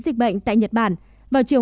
dịch bệnh tại nhật bản vào chiều